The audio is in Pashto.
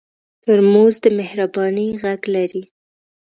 ترموز د مهربانۍ غږ لري.